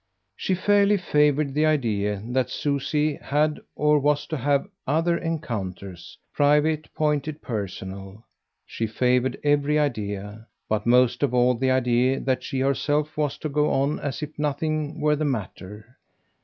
She fairly favoured the idea that Susie had or was to have other encounters private pointed personal; she favoured every idea, but most of all the idea that she herself was to go on as if nothing were the matter.